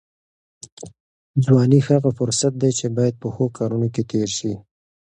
ځواني هغه فرصت دی چې باید په ښو کارونو کې تېر شي.